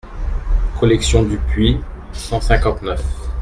Collection Dupuis, cent cinquante-neuf.